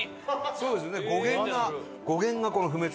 そうですよね。